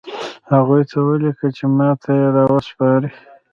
هغوی ته ولیکه چې ماته یې راوسپاري